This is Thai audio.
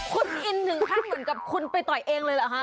คุณอินถึงขั้นเหมือนกับคุณไปต่อยเองเลยเหรอคะ